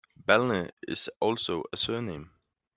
Balne is also a surname.